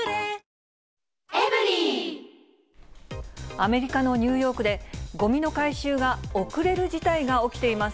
アメリカのニューヨークで、ごみの回収が遅れる事態が起きています。